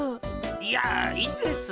いやいいです。